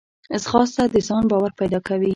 ځغاسته د ځان باور پیدا کوي